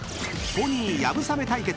［ポニー流鏑馬対決